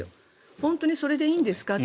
本当にそれでいいんですかと。